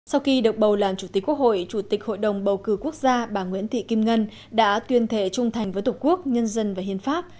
sau khi được bầu làm chủ tịch quốc hội chủ tịch hội đồng bầu cử quốc gia bà nguyễn thị kim ngân đã tuyên thệ trung thành với tổ quốc nhân dân và hiến pháp